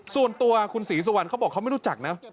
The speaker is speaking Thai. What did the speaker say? ส่วนตัวคุณศรีสุวรรณเขาบอกเขาไม่รู้จักนะ